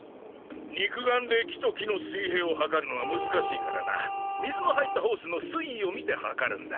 肉眼で木と木の水平を測るのは難しいからな水の入ったホースの水位を見て測るんだ。